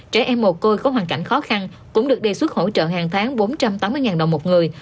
trẻ em mồ côi có hoàn cảnh khó khăn cũng được đề xuất hỗ trợ hàng tháng bốn trăm tám mươi đồng một người